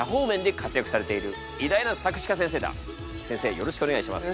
よろしくお願いします。